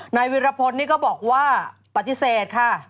นายวิรพลนี่ก็บอกว่าปฏิเสธค่ะ